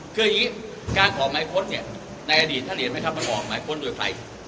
คืออย่างนี้การออกหมายค้นเนี่ยในอดีตท่านเห็นไหมครับมันออกหมายค้นโดยใคร